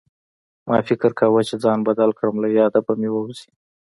ما فکر کوه چې ځای بدل کړم له ياده به مې ووځي